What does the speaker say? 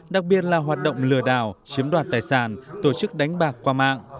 đặc biệt là hoạt động lừa đảo chiếm đoạt tài sản tổ chức đánh bạc qua mạng